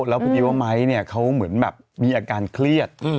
แล้วพอดีว่าไม้เนี่ยเขาเหมือนแบบมีอาการเครียด